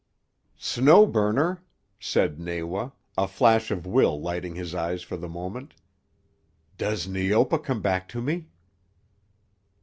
"Snow Burner," said Nawa, a flash of will lighting his eyes for the moment, "does Neopa come back to me?"